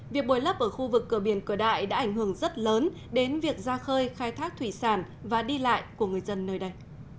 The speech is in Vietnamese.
việc bồi lấp ở khu vực cửa biển cửa đại đã ảnh hưởng rất lớn đến việc ra khơi khai thác thủy sản và đi lại của người dân nơi đây